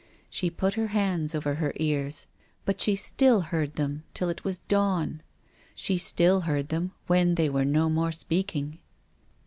She put her hands over her ears, but she still heard them till it was dawn. She still heard them when they were no more speaking.